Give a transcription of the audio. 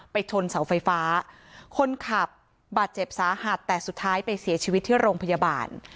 ชนเสาไฟฟ้าคนขับบาดเจ็บสาหัสแต่สุดท้ายไปเสียชีวิตที่โรงพยาบาล